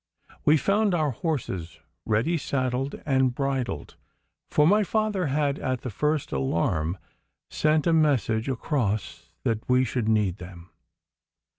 We found our horses ready saddled and bridled, for my father had at the first alarm sent a message across that we should need them.